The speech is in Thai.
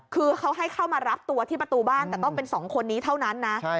คือเขาให้เข้ามารับตัวที่ประตูบ้านแต่ต้องเป็น๒คนนี้เท่านั้นนะ